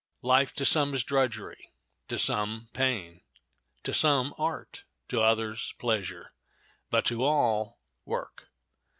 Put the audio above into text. Life to some is drudgery; to some, pain; to some, art; to others, pleasure; but to all, work.